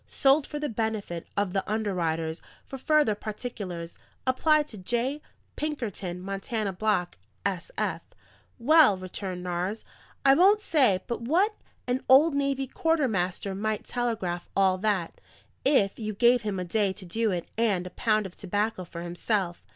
"'Sold for the benefit of the underwriters: for further particulars, apply to J. Pinkerton, Montana Block, S.F.'" "Well," returned Nares, "I won't say but what an old navy quartermaster might telegraph all that, if you gave him a day to do it in and a pound of tobacco for himself.